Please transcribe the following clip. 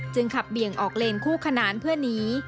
ขับเบี่ยงออกเลนคู่ขนานเพื่อหนี